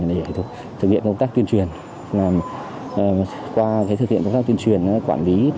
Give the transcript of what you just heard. để thực hiện công tác tuyên truyền qua thực hiện công tác tuyên truyền quản lý